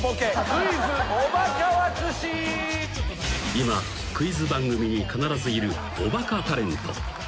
［今クイズ番組に必ずいるおバカタレント］